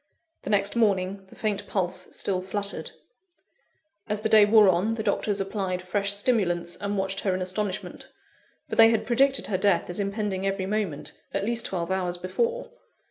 The next morning, the faint pulse still fluttered. As the day wore on, the doctors applied fresh stimulants, and watched her in astonishment; for they had predicted her death as impending every moment, at least twelve hours before.